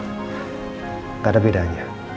gak ada bedanya